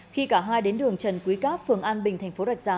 khi cả hai đến đường trần quý cáp phường an bình thành phố rạch giá